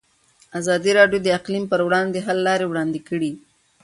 ازادي راډیو د اقلیم پر وړاندې د حل لارې وړاندې کړي.